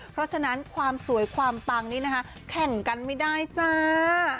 เพราะฉะนั้นความสวยความปังนี้นะคะแข่งกันไม่ได้จ้า